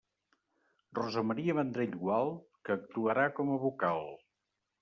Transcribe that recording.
Rosa Maria Vendrell Gual, que actuarà com a vocal.